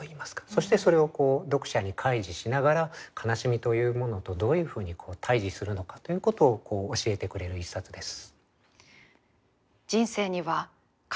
そしてそれを読者に開示しながら悲しみというものとどういうふうに対峙するのかということを教えてくれる一冊です。